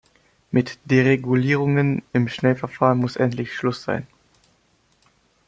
Mit Deregulierungen im Schnellverfahren muss endlich Schluss sein.